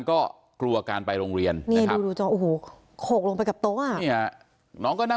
โอ้โหโอ้โหโอ้โหโอ้โห